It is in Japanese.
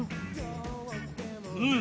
うん！